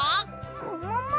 ももも？